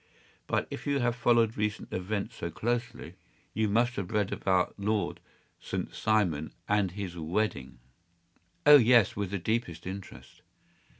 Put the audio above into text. But if you have followed recent events so closely you must have read about Lord St. Simon and his wedding?” “Oh yes, with the deepest interest.